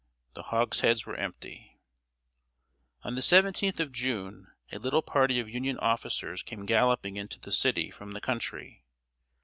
The hogsheads were empty. On the 17th of June, a little party of Union officers came galloping into the city from the country.